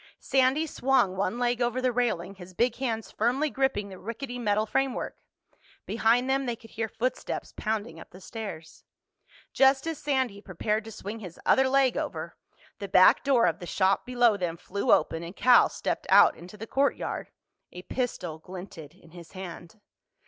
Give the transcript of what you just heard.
Sandy swung one leg over the railing, his big hands firmly gripping the rickety metal framework. Behind them they could hear footsteps pounding up the stairs. Just as Sandy prepared to swing his other leg over, the back door of the shop below them flew open and Cal stepped out into the courtyard. A pistol glinted in his hand.